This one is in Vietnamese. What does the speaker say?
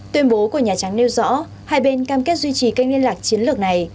tuyên bố của nhà trắng nêu rõ hai bên cam kết duy trì kênh liên lạc chiến lược này